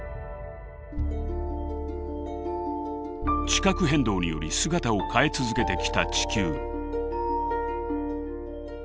地殻変動により姿を変え続けてきた地球。